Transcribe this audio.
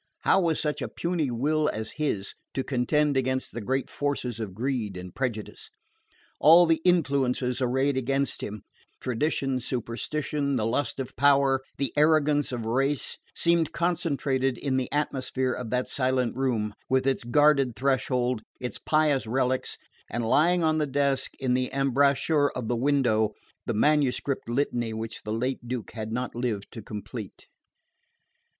How was such a puny will as his to contend against the great forces of greed and prejudice? All the influences arrayed against him tradition, superstition, the lust of power, the arrogance of race seemed concentrated in the atmosphere of that silent room, with its guarded threshold, its pious relics, and lying on the desk in the embrasure of the window, the manuscript litany which the late Duke had not lived to complete.